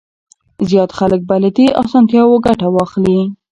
زيات خلک به له دې اسانتياوو ګټه واخلي.